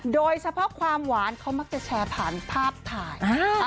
โดยเฉพาะความหวานเขามักจะแชร์ผ่านภาพถ่าย